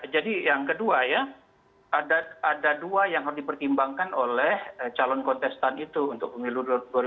jadi yang kedua ya ada dua yang harus dipertimbangkan oleh calon kontestan itu untuk pemilu dua ribu dua puluh empat